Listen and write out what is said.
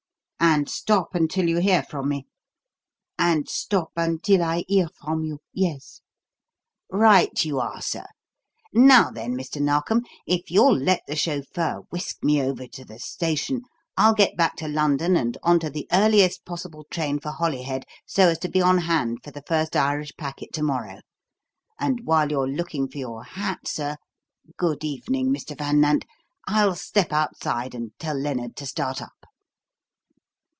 "And stop until you hear from me?" "And stop until I hear from you yes." "Right you are, sir. Now then, Mr. Narkom, if you'll let the chauffeur whisk me over to the station, I'll get back to London and on to the earliest possible train for Holyhead so as to be on hand for the first Irish packet to morrow. And while you're looking for your hat, sir good evening, Mr. Van Nant I'll step outside and tell Lennard to start up."